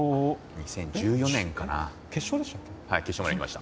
２０１４年かな、決勝までいきました。